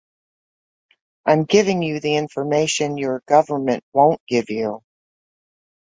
I'm giving you the information your government won't give you.